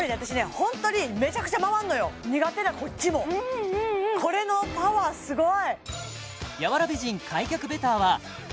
ホントにメチャクチャ回んのよ苦手なこっちもこれのパワーすごい！